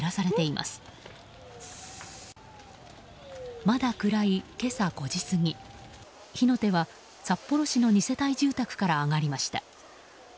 まだ暗い今朝５時過ぎ火の手は、札幌市の２世帯住宅から上がりました。